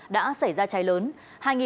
đã xảy ra cháy lớn